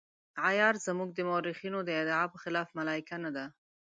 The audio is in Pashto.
عیار زموږ د مورخینو د ادعا په خلاف ملایکه نه ده.